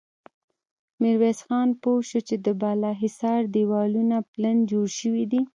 ميرويس خان پوه شو چې د بالا حصار دېوالونه پلن جوړ شوي دي.